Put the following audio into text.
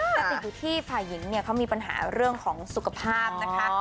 แต่ติดอยู่ที่ฝ่ายหญิงเนี่ยเขามีปัญหาเรื่องของสุขภาพนะคะ